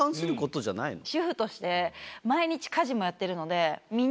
主婦として毎日家事もやってるので。